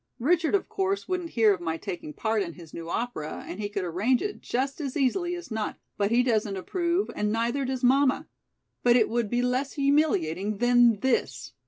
Richard, of course, wouldn't hear of my taking part in his new opera and he could arrange it just as easily as not, but he doesn't approve and neither does mamma. But it would be less humiliating than this."